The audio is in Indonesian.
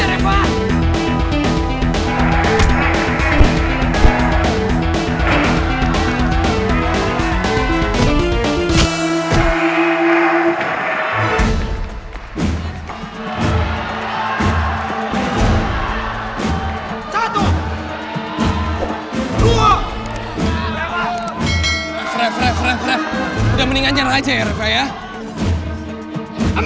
ref ref ref ref udah mendingan aja ya ref ya